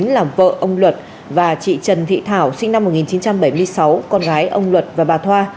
làm vợ ông luật và chị trần thị thảo sinh năm một nghìn chín trăm bảy mươi sáu con gái ông luật và bà thoa